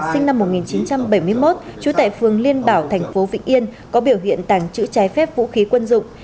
sinh năm một nghìn chín trăm bảy mươi một trú tại phường liên bảo tp vn có biểu hiện tàng trữ trái phép vũ khí quân dụng